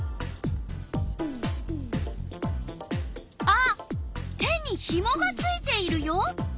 あっ手にひもがついているよ。